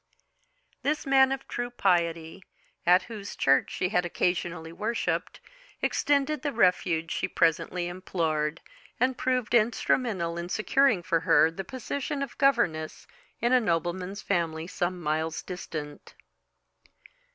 This man of true piety, at whose church she had occasionally worshipped, extended the refuge she presently implored, and proved instrumental in securing for her the position of governess in a nobleman's family some miles distant.